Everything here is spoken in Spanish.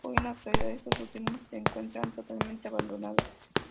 Hoy en la actualidad, estos últimos se encuentran totalmente abandonados.